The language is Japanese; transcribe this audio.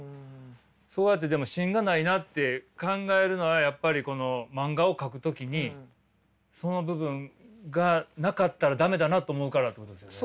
そうやってでも芯がないなって考えるのはやっぱりこの漫画を描く時にその部分がなかったら駄目だなと思うからってことですよね？